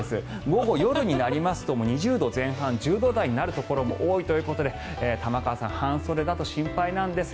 午後６時、夜になりますと２０度前半１０度台になるところも多いということで玉川さん、半袖だと心配なんです。